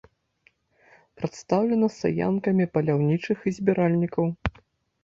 Прадстаўлена стаянкамі паляўнічых і збіральнікаў.